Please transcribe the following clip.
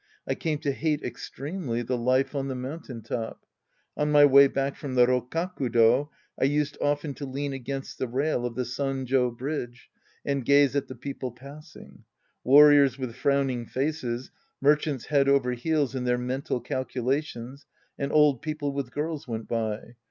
I came to hate extremely the life on the mountain top. On my way back from the Rokkakudo, I used often to lean against the rail of the Sanj5 Bridge and .gaze at the people passing. Warriors with frowning faces, mer chants head over heels in their mental calculations, and old people with girls went by.